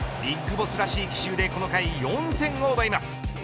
ＢＩＧＢＯＳＳらしい奇襲でこの回、４点を奪います。